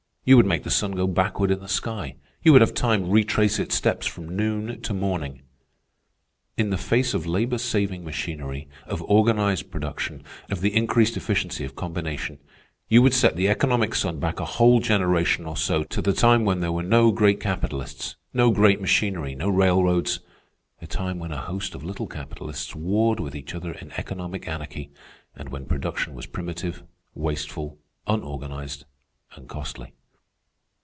You would make the sun go backward in the sky. You would have time retrace its steps from noon to morning. "In the face of labor saving machinery, of organized production, of the increased efficiency of combination, you would set the economic sun back a whole generation or so to the time when there were no great capitalists, no great machinery, no railroads—a time when a host of little capitalists warred with each other in economic anarchy, and when production was primitive, wasteful, unorganized, and costly.